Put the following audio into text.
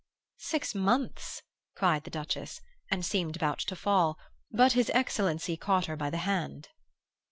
"'Six months!' cried the Duchess, and seemed about to fall; but his excellency caught her by the hand.